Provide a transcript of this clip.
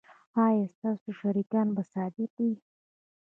ایا ستاسو شریکان به صادق وي؟